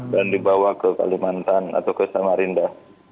dan dibawa ke kalimantan atau ke samarinda